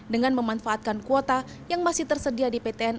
dengan memanfaatkan kuota yang masih tersedia di ptn